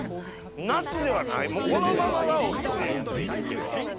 ナスではないもうこのままがおいしい。